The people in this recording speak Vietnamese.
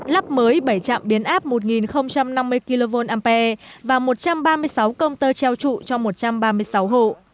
lắp mới bảy trạm biến áp một năm mươi kva và một trăm ba mươi sáu công tơ treo trụ cho một trăm ba mươi sáu hộ